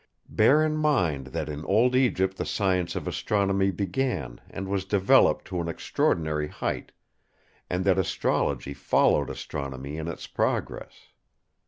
Bear in mind that in old Egypt the science of Astronomy began and was developed to an extraordinary height; and that Astrology followed Astronomy in its progress.